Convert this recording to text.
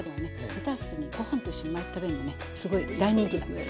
レタスにご飯と一緒に巻いて食べるのねすごい大人気なんです。